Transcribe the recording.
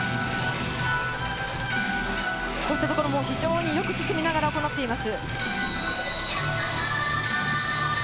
こういったところも非常に良く進みながら行っています。